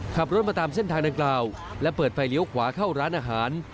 ขับรถมาตามเส้นทางดังกล่าวและเปิดไฟเลี้ยวขวาเข้าร้านอาหาร